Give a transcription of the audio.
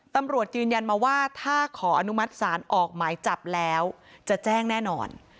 ตำรวจยืนยันมาว่าถ้าขออนุมัติศาลออกหมายจับแล้วจะแจ้งแน่นอน